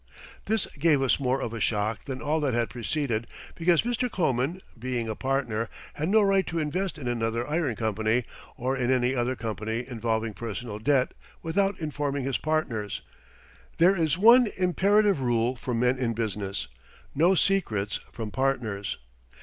This gave us more of a shock than all that had preceded, because Mr. Kloman, being a partner, had no right to invest in another iron company, or in any other company involving personal debt, without informing his partners. There is one imperative rule for men in business no secrets from partners.